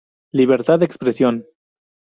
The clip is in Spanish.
Libertad de expresión.